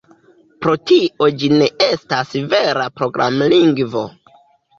Pro tio ĝi ne estas vera programlingvo.